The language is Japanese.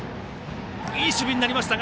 いい守備になりました。